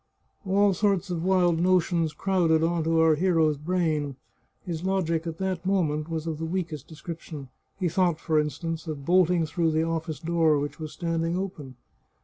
All sorts of wild notions crowded on to our hero's brain. His logic at that moment was of the weakest descrip tion. He thought, for instance, of bolting through the office door, which was standing open.